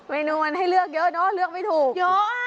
เมนูมันให้เลือกเยอะเนอะเลือกไม่ถูกเยอะ